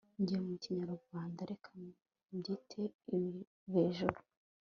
njye mu kinyarwanda reka mbyite ibivejuru